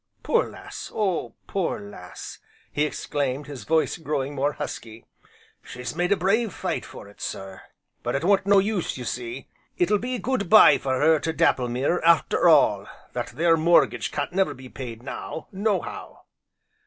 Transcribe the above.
Poor lass! Oh poor lass!" he exclaimed, his voice growing more husky. "She's made a brave fight for it, sir, but it weren't no use, ye see, it'll be 'Good bye' for her to Dapplemere, arter all, that there mortgage can't never be paid now, nohow."